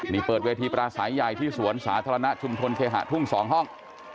นี่เปิดเวทีปราศัยใหญ่ที่สวนสาธารณะชุมชนเคหะทุ่ง๒ห้อง